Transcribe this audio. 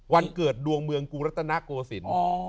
วันเกิดดวงเมืองกุรัฐนาโกสิน